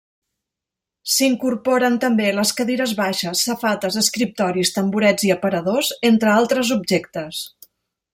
S'incorporen també les cadires baixes, safates, escriptoris, tamborets i aparadors, entre altres objectes.